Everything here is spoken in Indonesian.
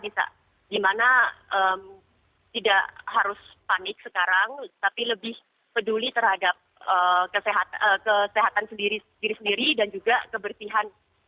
di singapura di mana tidak harus panik sekarang tapi lebih peduli terhadap kesehatan sendiri sendiri dan juga kebersihan